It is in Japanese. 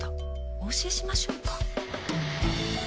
お教えしましょうか？